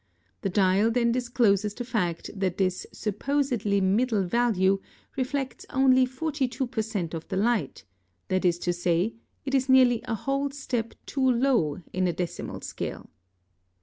The dial then discloses the fact that this supposedly MIDDLE VALUE reflects only 42 per cent. of the light; that is to say, it is nearly a whole step too low in a decimal scale.